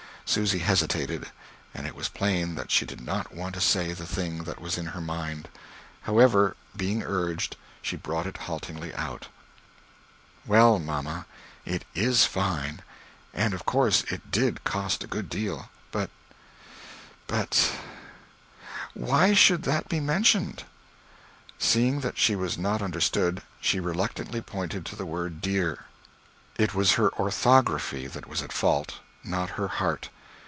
Susy hesitated, and it was plain that she did not want to say the thing that was in her mind. However, being urged, she brought it haltingly out: "Well, mamma, it is fine, and of course it did cost a good deal but but why should that be mentioned?" Seeing that she was not understood, she reluctantly pointed to that word "Deer." It was her orthography that was at fault, not her heart.